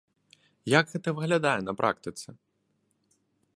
Як гэта выглядае на практыцы?